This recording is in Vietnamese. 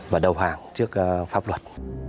và đầu hàng trước pháp luật